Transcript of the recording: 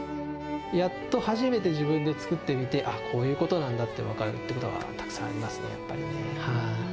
やっと初めて自分で作ってみて、ああ、こういうことなんだって分かるってことがたくさんありますね、やっぱりね。